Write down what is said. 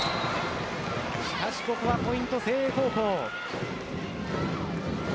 しかし、ここはポイント誠英高校。